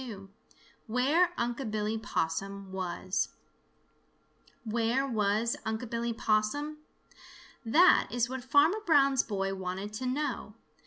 XXII WHERE UNC' BILLY POSSUM WAS Where was Unc' Billy Possum? That is what Farmer Brown's boy wanted to know.